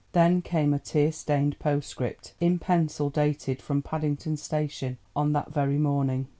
Then came a tear stained postscript in pencil dated from Paddington Station on that very morning.